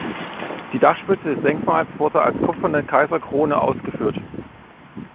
Die Dachspitze des Denkmals wurde als kupferne Kaiserkrone ausgeführt.